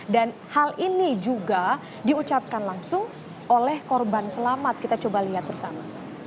dan hal ini juga diucapkan langsung oleh korban selamat kita coba lihat bersama